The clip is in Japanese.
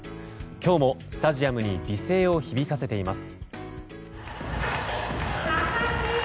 今日もスタジアムに美声を響かせています。